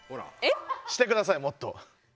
してくださいもっと。